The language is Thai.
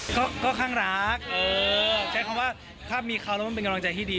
ก็ข้างรักใช้คำว่าถ้ามีเขาแล้วมันเป็นกำลังใจที่ดี